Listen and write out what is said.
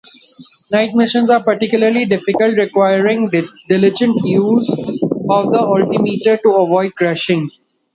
Night missions are particularly difficult, requiring diligent use of the altimeter to avoid crashing.